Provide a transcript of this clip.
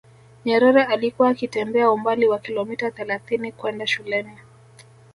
nyerere alikuwa akitembea umbali wa kilometa thelathini kwenda shuleni